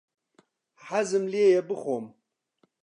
حەزم لێیە بخۆم.